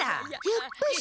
やっぱし。